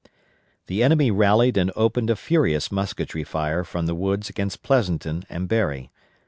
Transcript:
The enemy rallied and opened a furious musketry fire from the woods against Pleasonton and Berry.